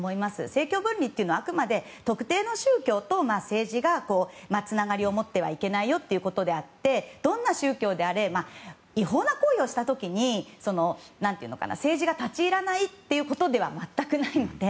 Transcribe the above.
政教分離というのはあくまで特定の宗教と政治がつながりを持ってはいけないよということであってどんな宗教であれ違法な行為をした時に政治が立ち入らないということでは全くないので。